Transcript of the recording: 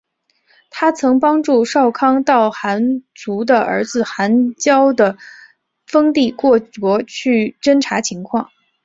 她曾帮助少康到寒浞的儿子寒浇的封地过国去侦察情况。